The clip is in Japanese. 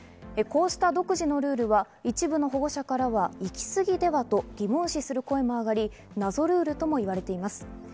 こうした独自のルールは一部の保護者からは行き過ぎではと疑問視する声も上がり、謎ルールともいわれています。